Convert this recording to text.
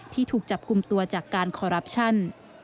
ถูกจับกลุ่มตัวจากการคอรัปชั่น